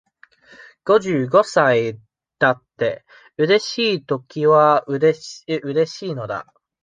五十五歳だって、うれしいときはうれしいのだ。